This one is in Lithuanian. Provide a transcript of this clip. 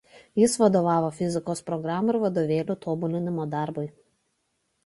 Jis vadovavo fizikos programų ir vadovėlių tobulinimo darbui.